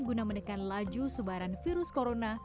guna mendekat laju sebarang virus corona